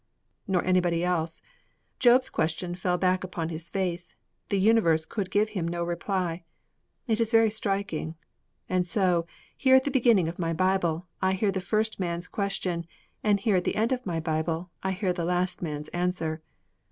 Nor anybody else. Job's question fell back upon his face; the universe could give him no reply. It is very striking. And so, here at the beginning of my Bible, I hear the first man's question; and, here at the end of my Bible, I hear the last man's answer!